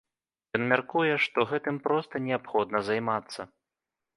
Ён мяркуе, што гэтым проста неабходна займацца.